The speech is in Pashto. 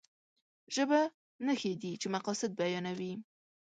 ژبه نښې دي چې مقاصد بيانوي.